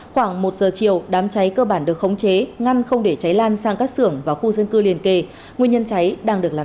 khoảng một h chiều đám cháy cơ bản được khống chế ngăn không để cháy lan sang các sưởng và khu dân cư liên kề nguyên nhân cháy đang được làm rõ